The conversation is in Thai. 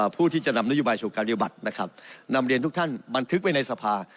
ผู้ที่จะนำนโยบายสู่การปฏิบัตินะครับนำเรียนทุกท่านบันทึกไว้ในสภา